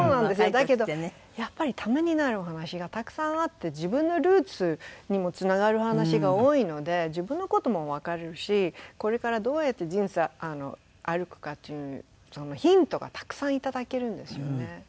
だけどやっぱりためになるお話がたくさんあって自分のルーツにもつながる話が多いので自分の事もわかるしこれからどうやって人生歩くかっていうヒントがたくさんいただけるんですよね。